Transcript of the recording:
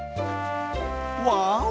わお！